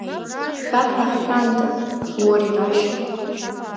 Шәак наҳҳәанда, уо рерашьа!